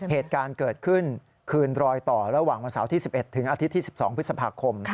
เหตุการณ์เกิดขึ้นคืนรอยต่อระหว่างวันเสาร์ที่๑๑ถึงอาทิตย์ที่๑๒พฤษภาคม